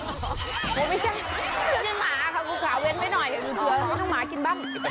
โอ้โหไม่ใช่คือกินหมาค่ะกูขาเว้นไปหน่อยอยู่ด้วยไม่ต้องหมากินบ้าง